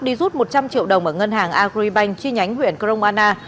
đi rút một trăm linh triệu đồng ở ngân hàng agribank chi nhánh huyện cromana